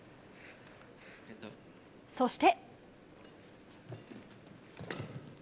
そして。